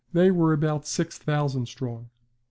They were about six thousand strong.